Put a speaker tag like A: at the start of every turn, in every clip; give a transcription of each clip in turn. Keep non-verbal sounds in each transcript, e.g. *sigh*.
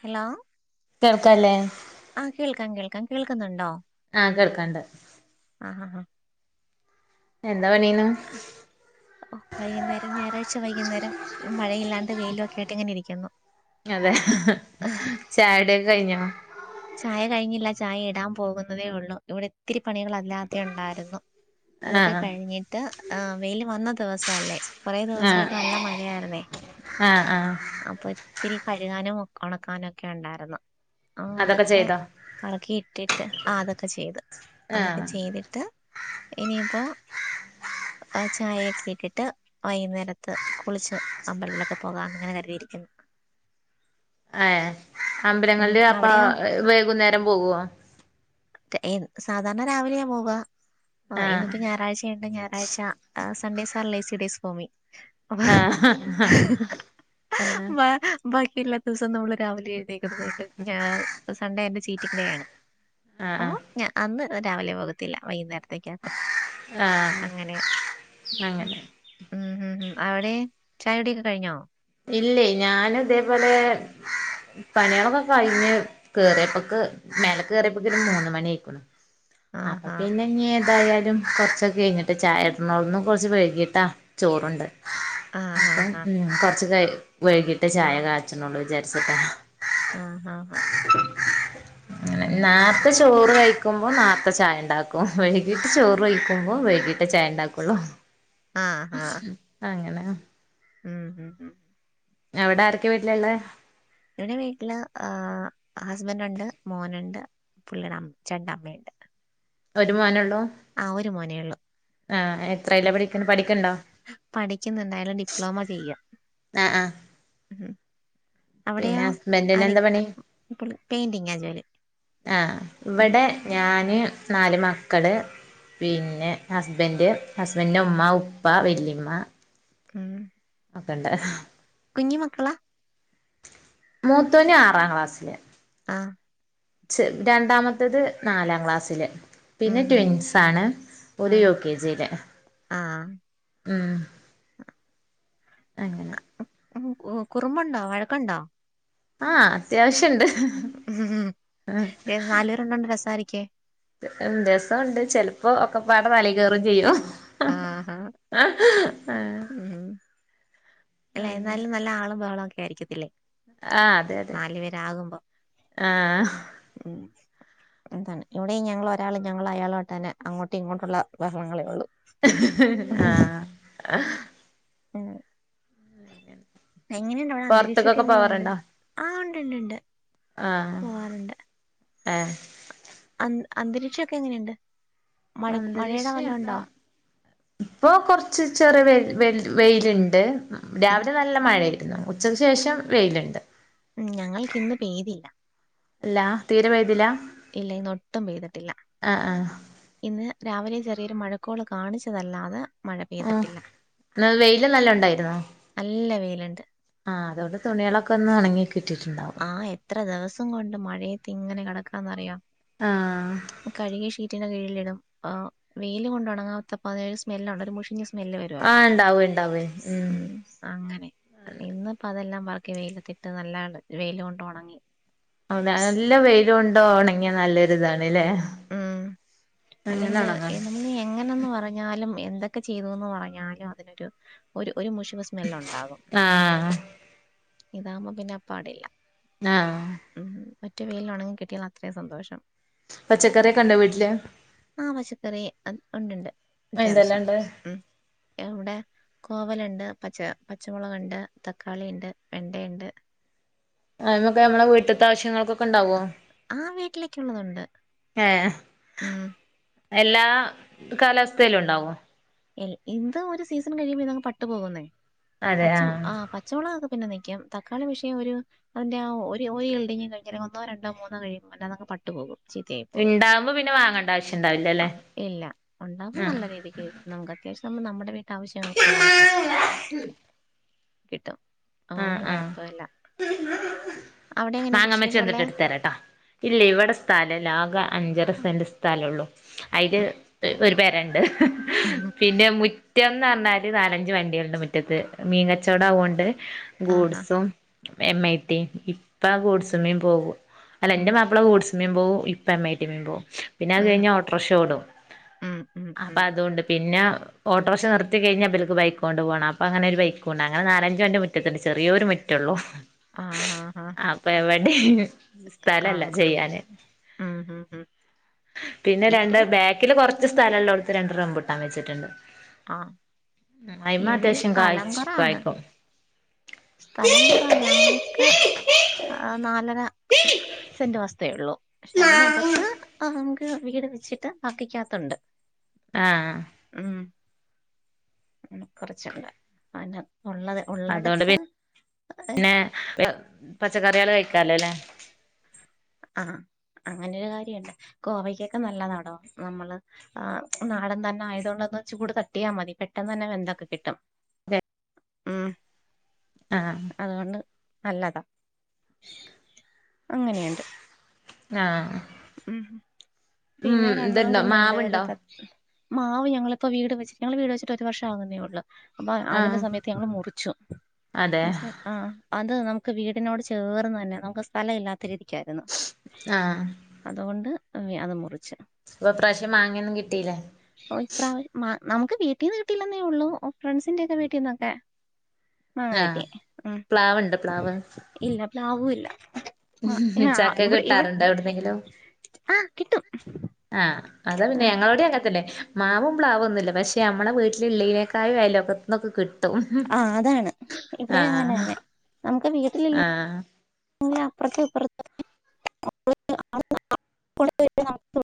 A: Hello..
B: കേൾക്കാല്ലേ?
A: ആഹ് കേൾക്കാം കേൾക്കാം കേൾക്കുന്നുണ്ടോ?
B: ആഹ കേൾക്കാണ്ട്.
A: ഹ ഹ ഹാ
B: എന്താ പണിയേന്നു?
A: *inaudible* വൈകുന്നേരം ഞായറാഴ്ച വൈകുന്നേരം മഴയില്ലാണ്ട് വെയിലെക്കെയായിട്ടങ്ങനെ ഇരിക്കുന്നു.
B: അതെ *unintelligible* ചായ കുടിക്കെ കഴിഞ്ഞോ?
A: ചായ കഴിഞ്ഞില്ല ചായ ഇടാൻ പോകുന്നതേ ഒള്ളൂ ഇവിടെ ഇത്തിരി പണികളാ ല്ലാത്യം ഉണ്ടായിരുന്നു അതൊക്കെ
B: ആഹ്
A: കഴിഞ്ഞിട്ട് ഏഹ് വെയില് വന്ന ദിവസല്ലേ? കൊറേ
B: ആഹ്
A: ദിവസായിട്ട് നല്ല മഴയായിരുന്നേ
B: ആഹ് ആഹ്
A: അപ്പൊ ഒത്തിരി കഴുകാനും ഉണക്കാനൊക്കെ ഒണ്ടായിരുന്നു ആ അതൊക്കെ ഒക്കെ പറക്കിയിട്ടിട്ട് ആ അതൊക്കെ ചെയ്ത് അതൊക്കെ
B: ആഹ്
A: ചെയ്തിട്ട്. ത്ത് ഇനിയിപ്പോ ആ ചായയൊക്കെ ഇട്ടിട്ട്. വൈകുന്നേരത്ത് കുളിച്ച് അമ്പലങ്ങളിലൊക്കെ പോകാന്ന് ഇങ്ങനെ കരുതിയിരിക്കുന്നു.
B: ഏഹേ
A: ഉം
B: അമ്പലങ്ങളില് അപ്പോ
A: അവിടെയോ
B: വൈകുന്നേരം പോവോ?
A: *unintelligible* സാധാരണ രാവിലെയാ പോവാ. ആ
B: ആഹ്
A: ഇന്ന്പ്പോ ഞായറാഴ്ചായോണ്ട് ഞായറാഴ്ച Sundays are lazy days for മി. *inaudible*
B: ആഹ് ആഹ്
A: ബാക്കി എല്ലാ ദിവസവും നമ്മള് രാവിലെ എഴുന്നേക്കുന്നത് കൊണ്ട് ഞാൻ സൺഡേ എന്റെ ചീറ്റിങ് ഡേ ആണ്.
B: ആഹ
A: അപ്പൊ
B: ആ..
A: ഞാ അന്ന് രാവിലെ പോകത്തില്ല വൈകുന്നേരത്തേക്കാക്കും
B: ആഹ്
A: അങ്ങനെയാ
B: അങ്ങനെ
A: ഉം ഉം ഉം അവിടെ ചായൊടിയൊക്കെ കഴിഞ്ഞോ?
B: ഇല്ലേ ഞാനിതേപോലെ പണിയോളൊക്കെ കഴിഞ്ഞ് കേറിയപ്പക് മേലക്ക് കയറിയപ്പൊക് ഒരു മൂന്ന് മണി ആയിക്കുണു അപ്പം
A: ആഹാ
B: പിന്നെ. ഇഞ്ഞ് ഏതായാലും കൊറച്ചൊക്കെ കെഴിഞ്ഞിട്ട് ചായ ഇടുണൊള്ളു ഇന്ന് കൊറച്ച് വൈകിയിട്ടാ ചോറുണ്ടെ
A: ആഹാ
B: അപ്പം
A: ഹാ
B: ഉ കൊറച്ച് ക വൈകിട്ട് ചായ കാച്ചണള്ളൂ വിചാരിച്ചട്ടാ
A: ആഹ ഹഹ ഹ
B: *inaudible* നേർത്തെ ചോറ് കഴിക്കുമ്പോ നേർത്തെ ചായണ്ടാക്കും വൈകിട്ട് ചോറ് വെയ്ക്കുമ്പോ വൈകീട്ടേ ചായണ്ടാകൊള്ളു അങ്ങനെ
A: മ് മ് ഉ
B: അവ്ടെ ആരൊക്കെ വീട്ടിലുള്ളേ?
A: ഇവിടെ വീട്ടില് ഏഹ് ഹസ്ബൻറ് ഉണ്ട്, മോനുണ്ട്, പുള്ളീടെ അമ്മ ചേട്ടന്റെ അമ്മയ്ണ്ട്.
B: ഒരുമോനൊള്ളൂ
A: ആഹ് ഒരു മോനേ ഉള്ളൂ
B: ആഹ്
A: ഉം
B: എത്രേല പഠിക്ണെ പഠിക്ക്ണ്ടോ
A: പഠിക്കുന്നുണ്ട് അയാള് ഡിപ്ലോമ ചെയ്യാ
B: ആഹ് ആഹ്
A: ഉം
B: പിന്നെ
A: അവിടെയോ
B: ഹസ്ബൻഡിന് എന്താ പണി
A: *unintelligible* പെയിന്റിങ്ങാ ജോലി
B: ആ
A: ഉം
B: ഇവിടെ ഞാന് നാല് മക്കള് പിന്നെ ഹസ്ബൻന്റ് ഹസ്ബൻന്റി ന്റെ ഉമ്മ ഉപ്പ വല്ലിമ്മ.
A: മ്മ്ഹ്ഹ്
B: ഒക്കെണ്ട്
A: കുഞ്ഞിമക്കള
B: മൂത്തോന് ആറാം ക്ലാസ്സില്
A: ആഹ്
B: രണ്ടാമത്തേത് നാലാം ക്ലാസ്സില്
A: ഉം
B: പിന്നെ
A: ഉം
B: ട്വിൻസ് ആണ് ഓര്
A: ആഹ്
B: യു കെ ജില്
A: ആഹ്
B: ഉം അങ്ങനെ
A: കുറുമ്പുണ്ടോ വഴക്കുണ്ടോ
B: ആഹ് അത്യാവശ്യണ്ട്
A: എന്നാലും രണ്ടണ്ട് രസാരിക്കേ
B: ഉം രസൊണ്ട് ചെലപ്പോ ഒക്കപ്പാടെ തലേ കേറും ചെയ്യും
A: ആഹ് ഹ
B: ആഹ്
A: ഉം അല്ലെ
B: അങ്ങനെ
A: എന്നാലും നല്ല ആളും ബഹളും ഒക്കെ ആയിരിക്കത്തില്ലേ
B: ആഹ് അതെ അതെ
A: നാലു പേരാകുമ്പോ
B: ആഹ്
A: ഉം എന്താണ് ഇവിടെ ഞങ്ങൾ ഒരാൾ ഞങ്ങൾ അയാളായിട്ടന്നെ അങ്ങോട്ടും ഇങ്ങോട്ടുള്ള ബഹളങ്ങളേ ഉള്ളൂ
B: ആഹ്
A: ഉം എങ്ങനെയുണ്ട് അവിടെ അന്തരീക്ഷൊക്കെ
B: പൊറത്ത്ക്കൊക്കെ
A: എങ്ങനെയുണ്ട്
B: പോവാറുണ്ടോ
A: ആ ഉണ്ട്ണ്ട് ണ്ട്
B: ആഹ് ആഹ്
A: അ അന്തരീക്ഷൊക്കെ എങ്ങനെയുണ്ട് മഴ മഴയുടെ
B: അന്തരീക്ഷം
A: വല്ലോം
B: എന്താ
A: ഉണ്ടോ
B: ഇപ്പൊ കൊർച്ച് ചെറിയ വെ വെ വെയില്ണ്ട്
A: ഉം
B: രാവിലെ നല്ല മഴയായിരുന്നു ഉച്ചയ്ക്ക് ശേഷം വെയിലുണ്ട്
A: ഉം ഞങ്ങൾക്ക് ഇന്ന് പെയ്തില്ല
B: ല്ലാ തീരെ പെയ്തില്ല
A: ഇല്ല ഇന്നൊട്ടും പെയ്തിട്ടില്ല
B: ആഹ് ആഹ്
A: ഇന്ന് രാവിലെ ചെറിയൊരു മഴക്കോള് കാണിച്ചതല്ലാതെ മഴ
B: ആഹ്
A: പെയ്തിട്ടില്ല
B: ഇന്ന് വെയില് നല്ലോം ഉണ്ടായിരുന്നോ
A: നല്ല വെയിലുണ്ട്
B: ആഹ് അതുകൊണ്ട് തുണിളൊക്കെ ന്നൊണങ്ങി കി
A: ആ എത്ര ദിവസം കൊണ്ട് മഴയത്തിങ്ങനെ കിടക്കാന്നറിയോ
B: ആഹ്
A: കഴുകി ഷീറ്റന്റെ കീഴിലിടും വെയിൽ കൊണ്ടുണങ്ങാത്തപ്പ അത് രു സ്മെല്ലുണ്ട് ഒരു മുഷിന സ്
B: ആഹ് ഉണ്ടാവേ ഉണ്ടാവേ ഉം
A: അങ്ങനെ ഇന്ന്പ്പം അതെല്ലാം ബാക്കി വെയിലത്തിട്ട് നല്ലണ്ട് വെയില് കൊണ്ട് ഒണങ്ങി
B: അതെ നല്ല
A: ഉം
B: വെയില്കൊണ്ടൊണങ്ങിയ നല്ലൊരിതാണ്ല്ലേ.
A: ഉം
B: അങ്ങനെ
A: അല്ലെങ്കിൽ
B: ഒണങ്ങാ
A: എ നമ്മള് എങ്ങനെന്ന് പറ ന്നാലും എന്തൊക്കെ ചെയ്തുന്ന് പറഞ്ഞാലും അതിനൊരു ഒരു ഒരു മുഷ് ഷ് നെല്ലുണ്ടാകും
B: ആഹ്
A: ഇതാകുമ്പോ പിന്നെ അപ്പാടില്ല
B: ആഹ്
A: മം മറ്റെ വെയില ഉണങ്ങി കിട്ടിയാൽ അത്രയും സന്തോഷം
B: പച്ചക്കറിയൊക്കെണ്ടോ വീട്ടില്
A: ആ പച്ചക്കറി ഉണ്ട്ണ്ട്
B: എന്തെല്ലാം
A: അത്യാവശ്യം
B: ഇണ്ട്
A: ഉം ഇവിടെ കോവലുണ്ട് പച്ച പച്ചമുളകുണ്ട് തക്കാളി ഉണ്ട് വെണ്ടയുണ്ട്
B: അയിമൊക്കെ മ്മളെ വീട്ട്ത്തെ ആവശ്യങ്ങൾക്കെ ക്കണ്ടാവോ
A: ആ വീട്ടിലേക്കുള്ളതുണ്ട്
B: ഏഹ്
A: ഉം
B: എല്ലാ കാലാവസ്ഥലും ഉണ്ടാവോ?
A: ഇന്തോ ഒരു സീസൺ കഴിയുമ്പോ പട്ടു പോകുന്നേ
B: അതെ
A: പച്ച
B: ആഹ്
A: ആ *unintelligible* ച്ചവളംക്കെ പിന്നെ നിൽക്കാം തക്കാളി വിഷയം ഒരു അതിന്റെ ഒരു ഒരു ഹിൽഡി കഴഞ്ഞാലൽ ഒന്നോ, രണ്ടോ, മൂന്നോ കഴിയും അല്ലാതെ അങ് പട്ടു പോകും. ചീത്തയായി പോയി
B: ഇണ്ടാവുമ്പോ പിന്നെ വാങ്ങണ്ട ആവശ്യം ഇണ്ടാവില്ലല്ലേ
A: ആഹ് ഇല്ല ഉണ്ടാവുമ്പോ
B: ആഹ്
A: നല്ല രീതിക്ക് *unintelligible* നമുക്ക് അത്യാവശ്യം നമ്മ നമ്മുടെ വീട്ട ആവശ്യങ്ങൾക്കുള്ളതൊക്കെ കിട്ടും. തോണ്ട് കുഴപ്പല്ല
B: *unintelligible* മാങ്ങമ്മച്ച
A: കൃഷിയൊക്കെ
B: വന്നിട്ട്
A: ഉള്ളേ
B: എടുത്ത തരാട്ടാ ഇല്ല ഇവിടെ സ്ഥലല്ല ആകെ അഞ്ചര സെൻറ് സ്ഥല ഒള്ളൂ. അയില്
A: ഉം
B: ഒരു പെരണ്ട് പിന്നെ മു *unintelligible* എന്ന് പറഞ്ഞാല് നാലഞ്ച് വണ്ടികളുണ്ട് മുറ്റത്ത് മീങ്ങച്ചവടം ആവുകൊണ്ട്
A: ആഹാ
B: ഗൂഡ്സും എം ഐ ടി ഇപ്പ ഗൂഡ്സ്മേം പോകും. അല്ല
A: ഉം
B: എന്റെ മാപ്പ്ള വൂട്സ് മീ പോവും ഇപ്പ എം ഐ ടി മീ പോവും പിന്നെ അത്
A: ഉം
B: കഴിഞ്ഞ ഓട്ടോറിക്ഷോടും.
A: ഉം ഉം
B: അപ്പ
A: ഉം
B: അതുകൊണ്ട് പിന്നെ ഓട്ടോർക്ഷ നിർത്തി കഴിഞ്ഞാ ഇബൽക്ക് ബൈക്ക് കൊണ്ട് പോണം അപ്പ അങ്ങനെ ഒരു ബൈക്കുണ്ട് അങ്ങന നാലഞ്ച് വണ്ടി മു മറ്റ തന്നെ ചെറിയൊരു മിറ്റുള്ളോ
A: ആഹ് ഹാ ഹാ
B: അപ്പ എവിടെ *unintelligible*
A: ആ
B: സ്ഥലല്ല ചെയ്യാന്
A: ഉം ഉം ഉം
B: പിന്നെ രണ്ട്
A: ഇവിടെ
B: ബേ ല് കുറച്ച് സ്ഥലല്ലൊല്ലടുത്ത് രണ്ട് റമ്പൂട്ടാൻ വച്ചിട്ടുണ്ട്
A: ആ
B: അമ്മായിയമ്മ
A: ഇവിടെ
B: അത്യാവശ്യം
A: സ്ഥലം
B: കായച്ച്
A: കുറവാണ്
B: കായക്കും
A: സ്ഥലം കൊറവാ ഞങ്ങൾക്ക് ആ നാലര സെന്റ് വസ്തുവേ ഉള്ളു പക്ഷെ അതിനകത്ത് നമുക്ക് വീട് വെച്ചിട്ട് വക്കിക്കാത്തുണ്ട്.
B: ആഹ്
A: ഉം കൊറച്ചൊക്കെ അന്നെ ഉള്ളത്
B: അതുകൊണ്ട് പി
A: ഉള്ളിടത്ത് ഏഹ്,
B: പിന്നെ പച്ചക്കറികള് കഴിക്കാലോല്ലേ.
A: ആഹ് അങ്ങനെരു കാര്യണ്ട് കോവക്കൊക്കെ നല്ല താടോ നമ്മള് ആ നാടൻ തന്നെ ആയതുക കൊണ്ടന്ന് ചൂട് തട്ടിയാൽ മതി പെട്ടെന്ന് തന്നെ വെന്തൊക്കെ കിട്ടും. ഉം
B: ആഹ്
A: അതുകൊണ്ട് നല്ലതാണ് അങ്ങനെയുണ്ട്
B: ആഹ്
A: ഉം
B: ഉം
A: പിന്നെ ഒരു അണ്ണാൻ
B: ഇത്ണ്ടോ
A: കുഞ്ഞുണ്ട് ഒരു
B: മാവ്ണ്ടോ?
A: ത- മാവ് ഞങ്ങളിപ്പോ വീട് വെച്ച് ഞങ്ങള് വീട് വെച്ചിട്ട് ഒരു വർഷം ആകുന്നേ ഉള്ളൂ അപ്പൊ അതിന്റെ
B: ആഹ്
A: സമയ ഞങ്ങൾ മുറിച്ചു
B: അതെ
A: മൻസ്സിലാ ആഹ് അത് നമുക്ക് വീടിനോട് ചേർന്ന് തന്നെ നമുക്ക് സ്ഥലം ഇല്ലാത്ത ഒത്തിരിക്കായിരുന്നു
B: ആഹ്
A: അതുകൊണ്ട് അത് മുറിച്ച്
B: അപ്പൊ ഇപ്രാവശ്യം മാങ്ങേന്നും കിട്ടിയിലേ?
A: ഓയ് ഇപ്രാവ മ നമുക്ക് വീട്ടീന്ന് കിട്ടില്ലന്നേ ഉള്ളൂ ഫ്രണ്ട്സിന്റെറെ ഒക്കെ വീട്ടീന്നൊക്കെ
B: ആഹ് പ്ലാവുണ്ടോ പ്ലാവ്
A: ഇല്ല പ്ലാവുല്ല ആ ആ
B: ചക്ക
A: ഇവിടെ ഇവ
B: കിട്ടാറുണ്ടോ എവിടുന്നെങ്കിലും
A: ആഹ് കിട്ടും.
B: ആഹ് അതാ പിന്നെ
A: ആഹ്
B: ഞങ്ങളോടി അങ്ങനത്തന്നെ മാവ് പ്ലാവൊന്നുല്ല പക്ഷെ നമ്മളെ വീട്ടിലുള്ളനേക്കായും അയലോക്കത്തന്നൊക്കെ ക്
A: ആ അതാണ് ഇവിടെ അങ്ങനെ
B: ആഹ്
A: തന്നെ നമുക്ക് വീട്ടിലില്ലങ്കി
B: ആഹ്
A: അ അപ്പുറത്തെ അപ്പറ *inaudible*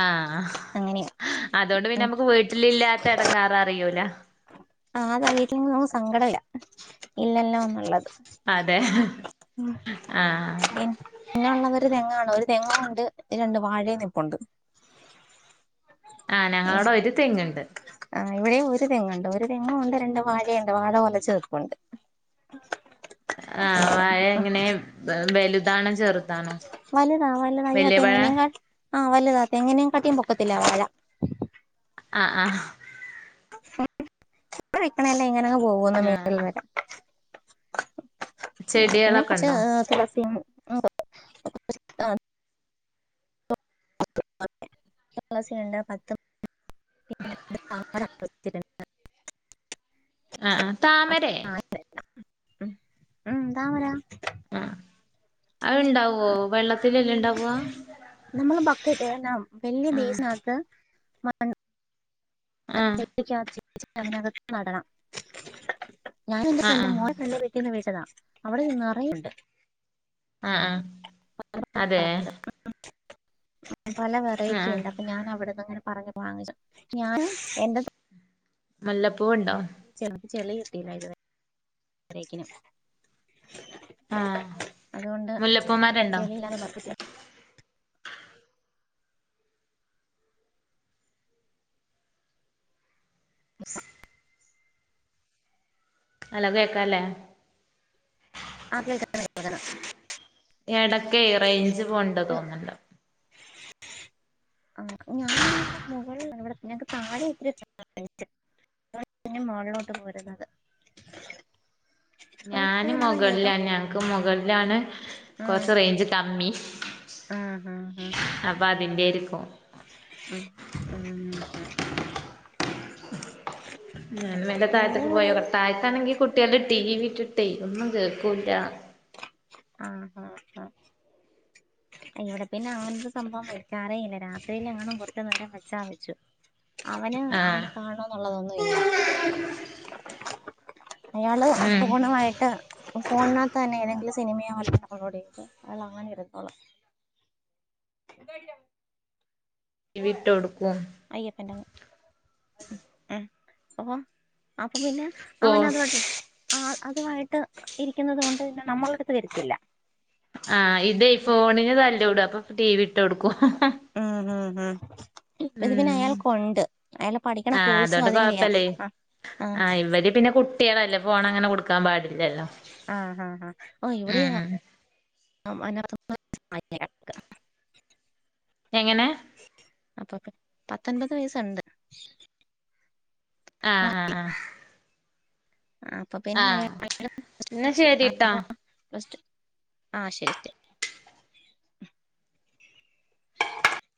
B: ആഹ്
A: അങ്ങനെയാ
B: അതോണ്ട് പിന്നെ
A: ഉം
B: നമുക്ക് വീട്ടിലില്ലാത്ത എടങ്ങേർ അറിയൂല.
A: ആ അതാ വീട്ടി *unintelligible* സങ്കടല്ല ഇല്ലല്ലാം ഒന്നുള്ളത്
B: അതെ ആഹ്
A: *inaudible* പിന്നെ ഉള്ളവര് തെങ്ങാണ് ഒരു തെങ്ങ് ഉണ്ട് രണ്ട് വാഴേ നിപ്പുണ്ട്.
B: ആഹ് ഞങ്ങളോട ഒരു തെങ്ങ്ണ്ട്
A: ആഹ് ഇവിടെയും ഒരുതെങ്ങുണ്ട് തേങ്ങുണ്ട് രണ്ട് വാഴയുണ്ട് വാഴ ഒലച്ചു തീർക്കണ്ട്
B: ആഹ് വാഴ എങ്ങനെ വലുതാണോ ചെറുതാണോ
A: വലുതാ വലതാ അയ്യോ
B: വല്യ പഴാ
A: തെങ്ങിനെ കാട്ടിലും ആഹ് വലുതാ തെങ്ങിനെ കാട്ടിലും പൊക്കത്തില വാഴ
B: ആഹ് ആഹ്
A: ഇ വിക്കണല്ലേ
B: ആഹ്
A: ഇങ്ങനെങ് *unintelligible* പിന്നെ കൊച്ച്
B: ചെടികളൊക്കെണ്ടോ
A: തുളസി *unintelligible*
B: ആഹ് ആഹ് താമരെ
A: ആഹ് *unintelligible* മ്മ് താമര
B: ആഹ് അത് ഇണ്ടാവോ വെള്ളത്തി എല്ലാം ഇണ്ടാവാ
A: നമ്മള് *unintelligible*
B: ആഹ്
A: ഭക്തട്ടബൈസ്നകത്ത് *unintelligible*
B: ആഹ്
A: *inaudible* നടണം ഞാൻ എന്റെ ഫ്രണ്ടും
B: ആഹ് ആഹ്
A: *unintelligible* ന്ന് വിട്ടതാ അവിടെ നിന്ന് നരേണ്ട്
B: ആഹ് ആഹ് അതെ
A: പല വെറൈറ്റി
B: ആഹ്
A: ഉണ്ട് അപ്പൊ ഞാൻ അവിടുന്ന് അങ്ങനെ പറഞ്ഞു വാങ്ങിച്ചു ഞാൻ എന്റെ
B: മുല്ലപ്പൂവുണ്ടോ
A: ചെറപ്പ ചെളി കിട്ടീല്ല
B: ആഹ്
A: *inaudible* അതുകൊണ്ട്
B: മുല്ലപ്പൂമരണ്ടോ
A: ചെളിയിലന്ന് പ
B: *inaudible* നല്ലം കേൾക്കാൻല്ലേ
A: ആഹ് *inaudible*
B: ഇടക്കേ റേഞ്ച് പോണ്ട് തോന്നണ്ട്
A: ആഹ് ഞാൻ *unintelligible* മുകളില ഇവിടെ ഞക്ക് താഴെ ഒത്തിരി *inaudible* *unintelligible* ഇനി മുകളിലോട്ട് പോരുന്നത്
B: ഞാനും
A: കുഴപ്പമില്ലാതെ കേട്ടോ
B: മുകളിലന്നെ മുകളിൽ ആണ്
A: ആ
B: കുറച്ചു റെയിഞ്ച് കമ്മി
A: ആ ആ
B: അപ്പൊഅതിന്റെര്ക്കും
A: ആഹ് ഉം ഉം *inaudible*
B: വെല്ലേ
A: പിന്നെ
B: താഴത്തേക്ക്
A: ഇവിടെ ഒരു
B: പോയോക്കട്ടെ താഴത്താണെങ്കിൽ കുട്ടികൾ ടി വിട്ടിട്ടേ ഒന്നും കേൾക്കൂല്ല
A: ആഹ് അഹ് ആഹ് ഇവിടെ പിന്നെ അവന സംഭവം വെക്കാറേ ഇല്ല രാത്രിൽ അങ്ങനും കൊറച്ച് നേരം വെച്ചാ വെച്ചു അവന്
B: ആഹ്
A: അങ്ങനെ കാണണന്നുള്ളതൊന്നുംല്ല അയാള്
B: ഉം
A: ഫോണ് മായിട്ട് ഫോണിനകത്ത് തന്നെ ഏതെങ്കിലും സിനിമയാല്ല അപ്ലോഡ് ചെയ്ത് അയാൾ അങ്ങനെ വരുന്നോളൂ *unintelligible*
B: ടിവിട്ടൊടുക്കും
A: അയ്യപ്പൻ്റങ്ങ് ഉം *unintelligible* അപ്പൊ പിന്നെ
B: ഫോ
A: അവന ആഹ് അതുമായിട്ട് ഇരിക്കുന്നത് കണ്ട് കഴിഞ്ഞ നമ്മള അടുത്ത് വരത്തില്ല
B: ആഹ് ഇതേ ഫോണിന് തലൂടും അപ്പൊ ടി വി ഇട്ട് കൊടുക്കും
A: ഉം ഉം ഉം ഇത് പിന്നെ
B: ഉം
A: അയാൾ കൊണ്ട് അയാള് പഠിക്കണ കോഴ്സും അതിന്റെയാ ആഹ്
B: ആ ഇവര് പിന്നെ കുട്ടിയളല്ലേ ഫോണ് അങ്ങനെ കൊടുക്കാൻ പാട
A: ആഹ് ആഹ് ആഹ് ഓ ഇവിടെ
B: ഉം
A: ആഹ് അതിന *inaudible*
B: എങ്ങനെ
A: അപ്പൊ പിൻ പത്തൊൻമ്പത് വയസ്ണ്ട്
B: ആഹ് ആഹ് ആഹ്
A: ആഹ് അപ്പൊ പിന്നെ
B: ആഹ് എന്നാ ശരിട്ടോ
A: *unintelligible* റെസ്റ്റ് ആഹ് ശരി. *inaudible*